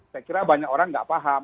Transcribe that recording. saya kira banyak orang nggak paham